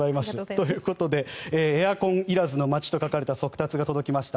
ということで「エアコンいらずの街」と書かれた速達が届きました。